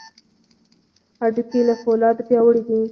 هډوکي له فولادو پیاوړي دي.